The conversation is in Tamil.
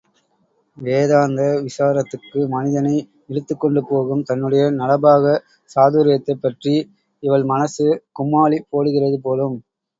வேதாந்த விசாரத்துக்கு மனிதனை இழுத்துக் கொண்டு போகும் தன்னுடைய நளபாக சாதுர்யத்தைப்பற்றி இவள் மனசு கும்மாளி போடுகிறது போலும்!